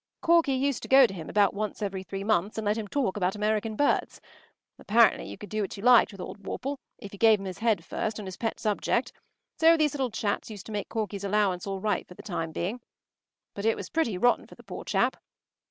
Corky used to go to him about once every three months and let him talk about American birds. Apparently you could do what you liked with old Worple if you gave him his head first on his pet subject, so these little chats used to make Corky’s allowance all right for the time being. But it was pretty rotten for the poor chap.